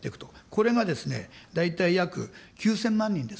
これがですね、大体、約９０００万人です。